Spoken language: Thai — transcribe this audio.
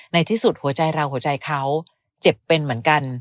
ในที่สุดหัวใจเราหัวใจเขาเจ็บเป็นเหมือนกัน